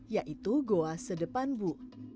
yaitu goa sedepan bu